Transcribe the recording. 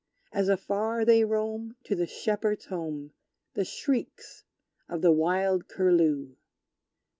As afar they roam To the shepherd's home, The shrieks of the wild Curlew!